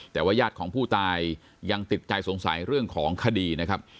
แต่ว่าญาติของผู้ตายยังติดใจสงสัยเรื่องของคดีนะครับ